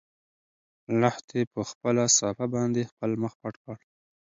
لښتې په خپله صافه باندې خپل مخ پټ کړ.